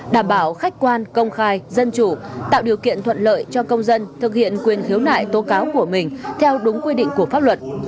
đảm bảo khách quan công khai dân chủ tạo điều kiện thuận lợi cho công dân thực hiện quyền khiếu nại tố cáo của mình theo đúng quy định của pháp luật